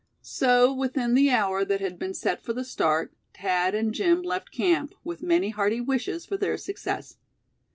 So within the hour that had been set for the start, Thad and Jim left camp, with many hearty wishes for their success.